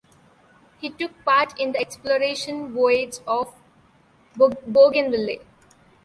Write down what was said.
He took part in the exploration voyage of Bougainville.